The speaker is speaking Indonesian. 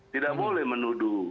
tidak boleh menuduh